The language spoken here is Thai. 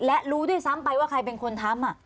และรู้ด้วยซ้ำไปว่าใครเป็นคนทำ